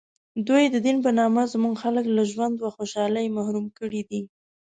دوی د دین په نامه زموږ خلک له ژوند و خوشحالۍ محروم کړي دي.